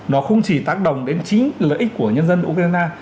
nó không chỉ tác động đến chính lợi ích của nhân dân ukraine